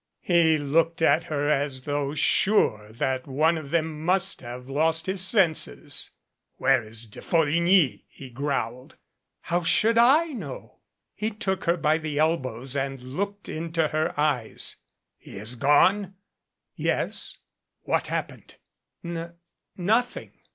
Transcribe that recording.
He looked at her as though sure that one of them must have lost his senses. "Where is De Folligny?" he growled. "How should I know?" He took her by the elbows and looked into her eyes. "He has gone ?" "Yes." "What happened?" "N nothing."